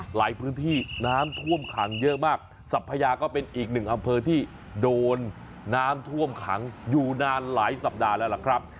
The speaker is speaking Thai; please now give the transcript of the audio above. หลายพื้นที่น้ำท่วมขังเยอะมากสัพพยาก็เป็นอีกหนึ่งอำเภอที่โดนน้ำท่วมขังอยู่นานหลายสัปดาห์แล้วล่ะครับ